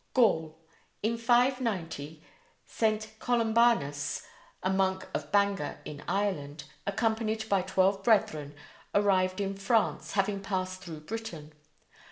GAUL: In 590 St. Columbanus, a monk of Bangor in Ireland, accompanied by twelve brethren, arrived in France, having passed through Britain.